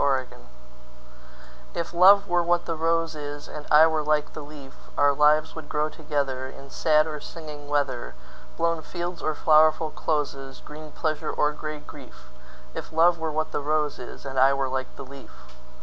A Match IF love were what the rose is, And I were like the leaf, Our lives would grow togetherIn sad or singing weather, Blown fields or flowerful closes, Green pleasure or gray grief; If love were what the rose is, And I were like the leaf.